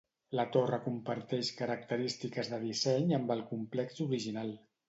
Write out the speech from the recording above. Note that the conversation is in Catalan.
La torre comparteix característiques de disseny amb el complex original.